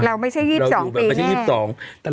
เราไม่ใช่๒๒ปีแน่